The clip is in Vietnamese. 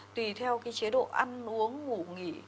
tùy theo cái chế độ ăn uống ngủ nghỉ